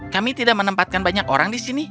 kami tidak menempatkan banyak orang di sini